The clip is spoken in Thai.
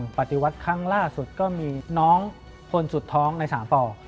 ปฏิวัติครั้งล่าสุดก็มีน้องคนสุดท้องใน๓ป